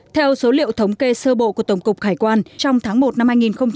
theo số liệu thống kê sơ bộ của tổng cục khải quan trong tháng một năm hai nghìn một mươi bảy